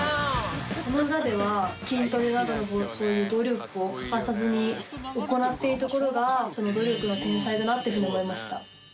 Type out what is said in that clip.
その裏では筋トレなどのそういう努力を欠かさずに行っているところが努力の天才だなっていうふうに思いました。